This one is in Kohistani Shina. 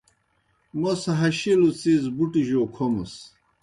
موْس ہشِلوْ څِیز بُٹوْ جَوْ کھومَس۔